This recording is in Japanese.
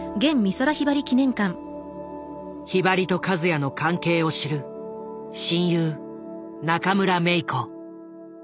ひばりと和也の関係を知る親友中村メイコ。